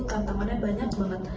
tantangannya banyak banget